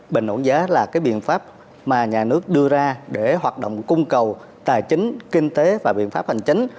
bình ổn giá là cái biện pháp mà nhà nước đưa ra để hoạt động cung cầu tài chính kinh tế và biện pháp hành chính